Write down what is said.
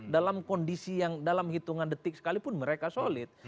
dalam kondisi yang dalam hitungan detik sekalipun mereka solid